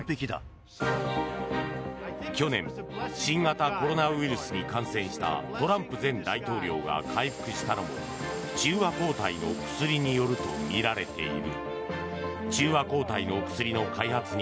去年、新型コロナウイルスに感染したトランプ前大統領が回復したのも、中和抗体の薬によるとみられている。